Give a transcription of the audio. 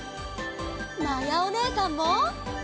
まやおねえさんも！